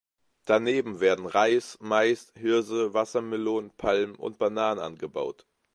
Daneben werden Reis, Mais, Hirse, Wassermelonen, Palmen und Bananen angebaut.